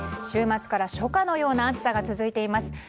週末から初夏のような暑さが続いています。